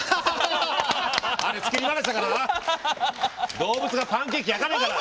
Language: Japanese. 動物がパンケーキ焼かねえから！